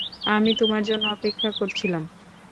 আমি তোমার জন্য অপেক্ষা করছিলাম।